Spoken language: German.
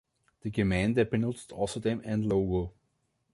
Die Gemeinde benutzt außerdem ein Logo.